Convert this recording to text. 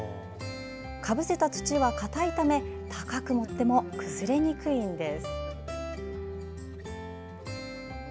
かぶせた土は硬いため高く盛っても崩れにくいんです。